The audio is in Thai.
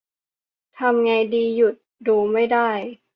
ทำไงดีหยุดดูไม่ได้